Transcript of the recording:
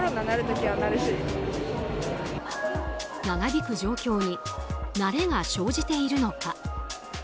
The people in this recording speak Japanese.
長引く状況に慣れが生じているのか。